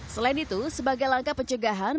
selain itu sebagai langkah pencegahan